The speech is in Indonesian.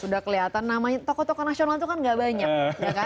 sudah kelihatan namanya toko toko nasional itu kan tidak banyak